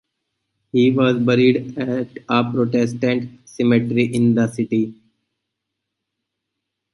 He was buried at a Protestant cemetery in the city.